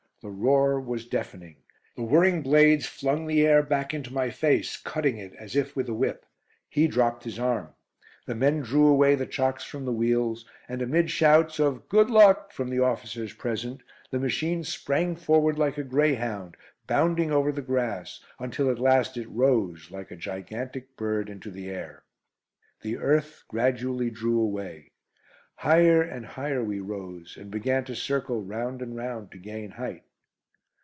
The roar was deafening. The whirring blades flung the air back into my face, cutting it as if with a whip. He dropped his arm. The men drew away the chocks from the wheels, and amid shouts of "Good luck!" from the officers present, the machine sprang forward like a greyhound, bounding over the grass, until at last it rose like a gigantic bird into the air. The earth gradually drew away. Higher and higher we rose, and began to circle round and round to gain height.